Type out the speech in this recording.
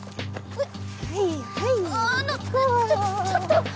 うっ！